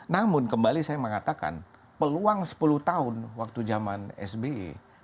namun kembali saya mengatakan peluang sepuluh tahun waktu zaman sby